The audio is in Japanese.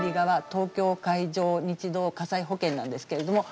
東京海上日動火災保険なんですけれども。